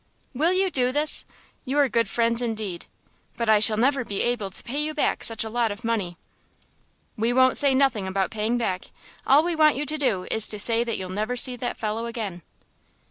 "Will you do this? You're good friends indeed.... But I shall never be able to pay you back such a lot of money." "We won't say nothing about paying back; all we want you to do is to say that you'll never see that fellow again."